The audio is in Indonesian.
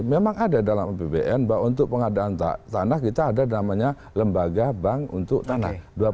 memang ada dalam apbn bahwa untuk pengadaan tanah kita ada namanya lembaga bank untuk tanah